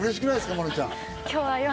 萌音ちゃん。